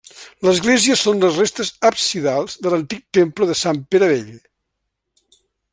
L'església són les restes absidals de l'antic temple de Sant Pere Vell.